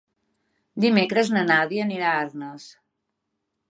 Dimecres na Nàdia anirà a Arnes.